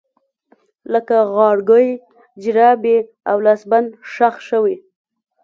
لکه غاړکۍ، جرابې او لاسبند ښخ شوي